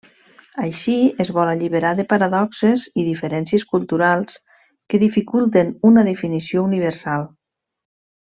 Així es vol alliberar de paradoxes i diferències culturals que dificulten una definició universal.